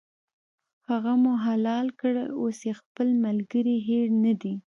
هغه مو حلال کړ، اوس یې خپل ملګری هېر نه دی.